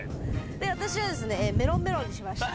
で私はですね「メロンメロン」にしました。